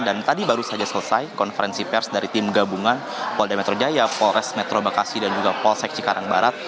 dan tadi baru saja selesai konferensi pers dari tim gabungan polda metro jaya polres metro bekasi dan juga polsek cikarang barat